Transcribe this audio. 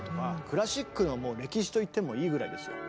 クラシックのもう歴史と言ってもいいぐらいですよ。